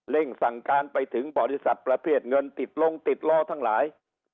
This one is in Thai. สั่งการไปถึงบริษัทประเภทเงินติดลงติดล้อทั้งหลาย